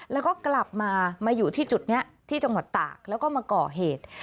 แล้วก็กลับมามาอยู่ที่จุดนี้ที่จังหวัดตากแล้วก็มาก่อเหตุ